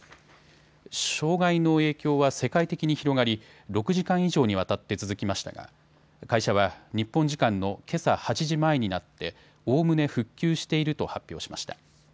障害の影響は世界的に広がり６時間以上にわたって続きましたが会社は日本時間のけさ８時前になっておおむね復旧していると発表しました。